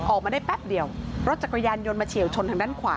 ออกมาได้แป๊บเดียวรถจักรยานยนต์มาเฉียวชนทางด้านขวา